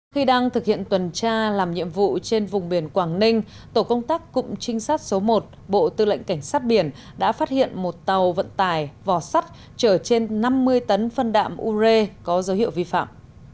khi đang thực hiện tuần tra làm nhiệm vụ trên vùng biển quảng ninh tổ công tác cụm trinh sát số một bộ tư lệnh cảnh sát biển đã phát hiện một tàu vận tải vò sắt chở trên năm mươi tấn phân đạm ure có dấu hiệu vi phạm